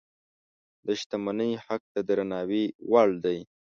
د شتمنۍ حق د درناوي وړ دی.